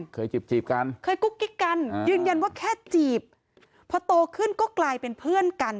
จีบกันเคยกุ๊กกิ๊กกันยืนยันว่าแค่จีบพอโตขึ้นก็กลายเป็นเพื่อนกัน